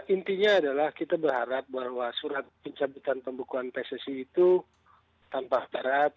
intinya adalah kita berharap bahwa surat pencabutan pembekuan pssi itu tanpa terap